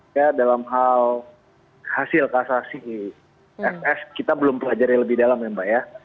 ya dalam hal hasil kasasi fs kita belum pelajari lebih dalam ya mbak ya